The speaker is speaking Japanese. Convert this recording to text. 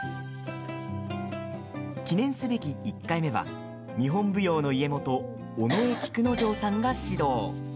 記念すべき１回目は日本舞踊の家元尾上菊之丞さんが指導。